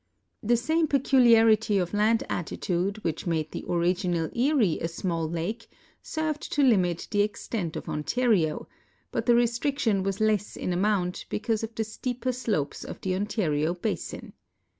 The same peculiarity of land attitude winch made the original Erie a small lake served to limit the extent of Ontario, but the restriction was less in amount because of the steeper slopes of the Ontario basin.